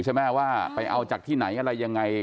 ใช่ไหมว่าไปเอาจากที่ไหนอะไรยังไง